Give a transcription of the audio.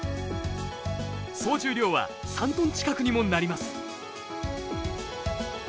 総重量は３トン近くにもなります。